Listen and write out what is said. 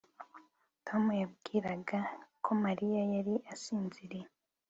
Tom yibwiraga ko Mariya yari asinziriye